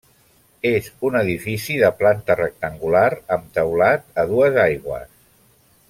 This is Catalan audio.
És un edifici de planta rectangular amb teulat a dues aigües.